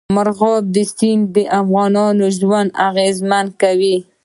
مورغاب سیند د افغانانو ژوند اغېزمن کوي.